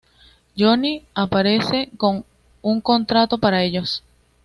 Johnny aparece con un contrato para ellos.